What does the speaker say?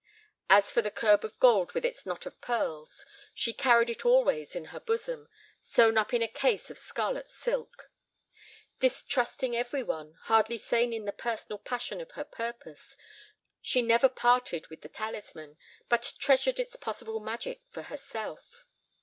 As for the curb of gold with its knot of pearls, she carried it always in her bosom, sewn up in a case of scarlet silk. Distrusting every one, hardly sane in the personal passion of her purpose, she never parted with the talisman, but treasured its possible magic for herself.